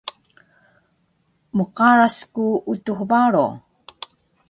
Mqaras ku Utux Baro